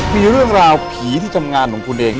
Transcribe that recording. มีเรื่องราวผีที่ทำงานของคุณเอง